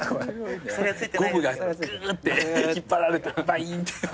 ゴムがぐーって引っ張られてバイーンって。